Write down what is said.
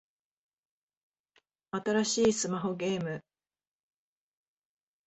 新しいスマホゲーム